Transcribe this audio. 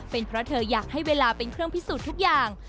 เป็นเพราะเธออยากให้เวลาเป็นเครื่องพิสูจน์ทุกอย่าง